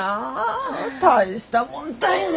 大したもんたいね。